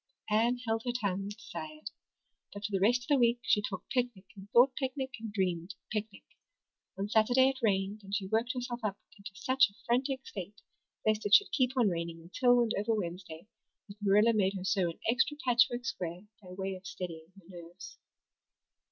Anne held her tongue as desired. But for the rest of the week she talked picnic and thought picnic and dreamed picnic. On Saturday it rained and she worked herself up into such a frantic state lest it should keep on raining until and over Wednesday that Marilla made her sew an extra patchwork square by way of steadying her nerves.